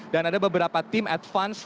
dan ada beberapa tim advance